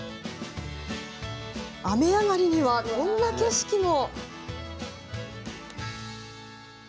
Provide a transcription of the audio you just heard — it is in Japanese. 雨上がりには、こんな景色も。